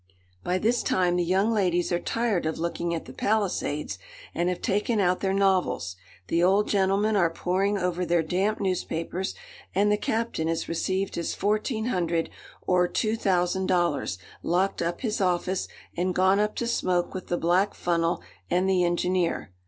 By this time, the young ladies are tired of looking at the Palisades, and have taken out their novels, the old gentlemen are poring over their damp newspapers, and the captain has received his fourteen hundred or two thousand dollars, locked up his office, and gone up to smoke with the black funnel and the engineer.